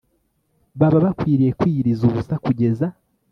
baba bakwiriye kwiyiriza ubusa kugeza